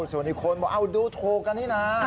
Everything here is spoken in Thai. ส่วนอีกคนบอกเอาดูถูกกันนี่นะ